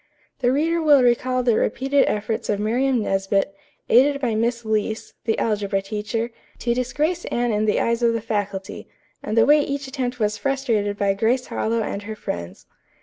The reader will recall the repeated efforts of Miriam Nesbit, aided by Miss Leece, the algebra teacher, to disgrace Anne in the eyes of the faculty, and the way each attempt was frustrated by Grace Harlowe and her friends.